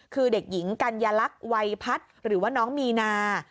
คือเด็กหญิงกัญลักษณ์วัยพัฒน์หรือว่าน้องมีนา